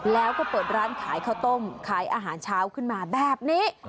แล้วก็เปิดร้านขายข้าวต้มขายอาหารเช้าขึ้นมาแบบนี้